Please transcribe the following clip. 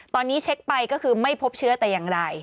ตอนนี้เช็คไปก็คือไม่พบเชื้อแต่อย่างใด